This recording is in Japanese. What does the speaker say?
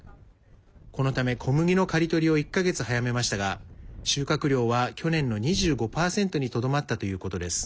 このため、小麦の刈り取りを１か月早めましたが収穫量は去年の２５％にとどまったということです。